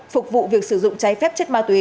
phục vụ việc sử dụng cháy phép chất ma túy